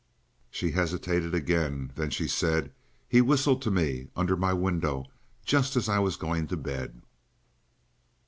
She hesitated again. Then she said: "He whistled to me under my window just as I was going to bed."